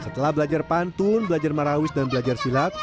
setelah belajar pantun belajar marawis dan belajar silat